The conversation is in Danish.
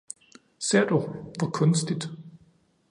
Ser du, hvor kunstigt